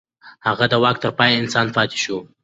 هغه د واک تر پای انسان پاتې شو.